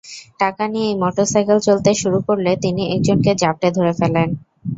টাকা নিয়েই মোটরসাইকেল চলতে শুরু করলে তিনি একজনকে জাপটে ধরে ফেলেন।